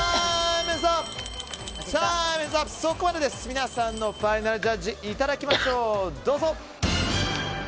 皆さんのファイナルジャッジいただきましょう。